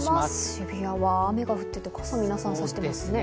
渋谷は雨が降っていて、傘を皆さんさしていますね。